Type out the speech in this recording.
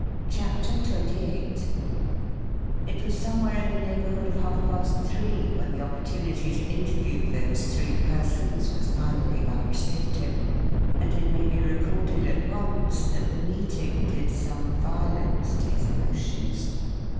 CHAPTER XXVIII It was somewhere in the neighbourhood of half past three when the opportunity to interview those three persons was finally vouchsafed him; and it may be recorded at once that the meeting did some violence to his emotions.